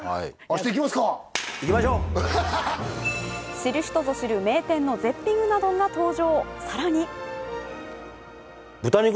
知る人ぞ知る名店の絶品うな丼が登場。